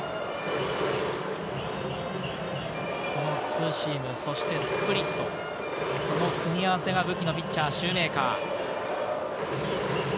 ツーシーム、そしてスプリット、その組み合わせが武器のピッチャー、シューメーカー。